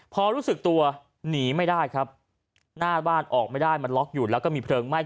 พอรู้สึกตัวหนีไม่ได้ครับหน้าบ้านออกไม่ได้มันล็อกอยู่แล้วก็มีเพลิงไหม้